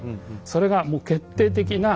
それがもう決定的な。